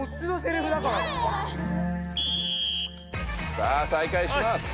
さあ再開します。